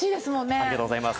ありがとうございます。